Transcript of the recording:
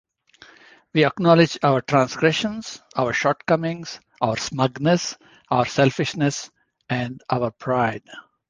We acknowledge our transgressions, our shortcomings, our smugness, our selfishness and our pride...